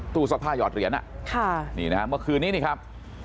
ตู้สร้างภาพหยอดเหรียญน่ะค่ะนี่นะฮะเมื่อคืนนี้นี่ครับ